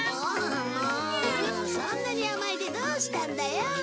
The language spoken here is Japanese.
そんなに甘えてどうしたんだよ？